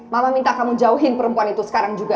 mama minta kamu jauhin perempuan itu sekarang juga